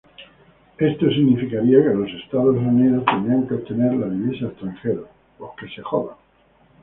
Esto significaría que los Estados Unidos tendrían que obtener la divisa extranjera.